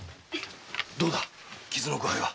どうだ傷の具合は？